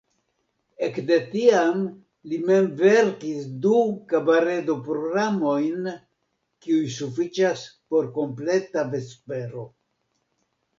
Ekde tiam li mem verkis du kabaredo-programojn kiuj sufiĉas por kompleta vespero.